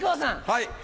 はい。